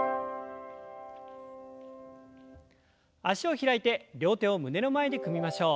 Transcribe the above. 脚を開いて両手を胸の前で組みましょう。